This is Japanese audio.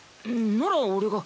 なら俺が。